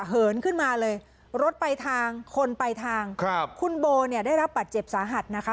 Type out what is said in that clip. เหินขึ้นมาเลยรถไปทางคนไปทางคุณโบได้รับปัจเจ็บสาหัสนะคะ